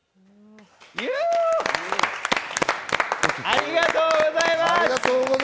ありがとうございます！